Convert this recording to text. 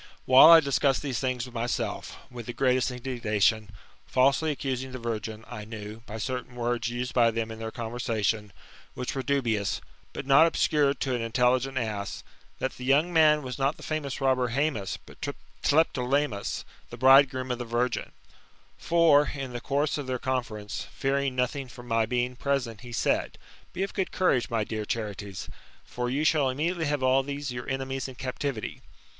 9 i.r. The gladiator, or sword>player; ttt tHB MXTAMOltPHOSIS, OR Whfle I discussed these things with myself, with the greatest tadigofttion, falsely accusing the virgin, I kn^w, by certain worai used by them in their conversation, which were dubioos, but not obscure to an intelligent ass, that the young man was not the famous robber H»mus, but Tlepolemus, the bridegroom of the Irirgtn, For, in the course of their conference, fearing nothing from my being present, he said :" Be of good courage, most dear Charites ; for you shall immediately have all these your enemies in t^ptivity."